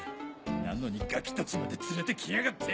なのにガキたちまで連れて来やがって！